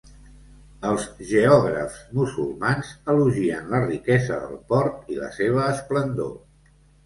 Els geògrafs musulmans elogien la riquesa del port i la seva esplendor.